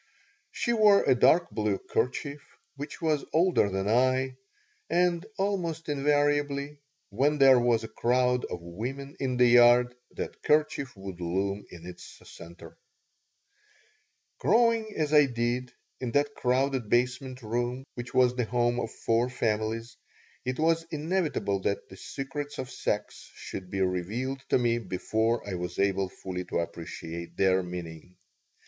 She wore a dark blue kerchief, which was older than I, and almost invariably, when there was a crowd of women in the yard, that kerchief would loom in its center Growing as I did in that crowded basement room which was the home of four families, it was inevitable that the secrets of sex should be revealed to me before I was able fully to appreciate their meaning.